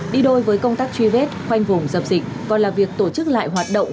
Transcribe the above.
đi đôi với công tác truy vết khoanh vùng dập dịch còn là việc tổ chức lại hoạt động